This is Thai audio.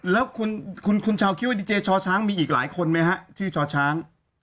แล้วคุณชาวคิดว่าดีเจช้าวช้างมีอีกหลายคนมั้ยฮะที่ช้าวช้าง